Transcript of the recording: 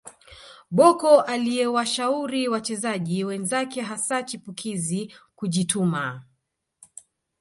Bocco aliyewashauri wachezaji wenzake hasa chipukizi kujituma